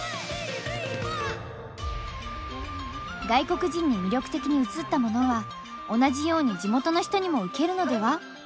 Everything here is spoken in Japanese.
外国人に魅力的に映ったものは同じように地元の人にもウケるのでは？